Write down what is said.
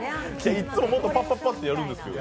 いつももっとパッパッパとやるんですけど。